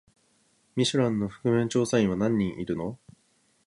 ミシュランの覆面調査員は何人いるの？